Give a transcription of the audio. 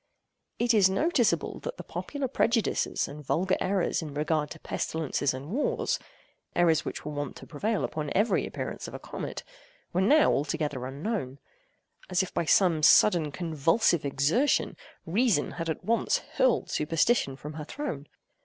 It is noticeable that the popular prejudices and vulgar errors in regard to pestilences and wars—errors which were wont to prevail upon every appearance of a comet—were now altogether unknown. As if by some sudden convulsive exertion, reason had at once hurled superstition from her throne.